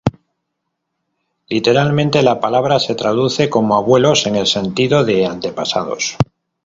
Literalmente, la palabra se traduce como "abuelos", en el sentido de "antepasados".